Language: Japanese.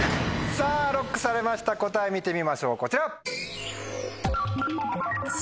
さぁＬＯＣＫされました答え見てみましょうこちら！